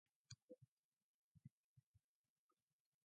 Compare also "by itself" and "per se".